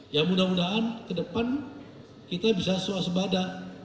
ya mudah mudahan kedepan kita bisa sosebada